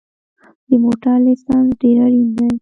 د موټر لېسنس ډېر اړین دی